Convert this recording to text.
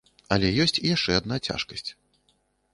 Але ёсць яшчэ адна цяжкасць.